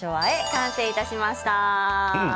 完成いたしました。